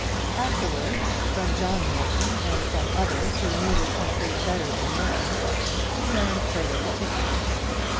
Afterwards, from John Morton, and from others who knew the country better than Morton, he learned further particulars.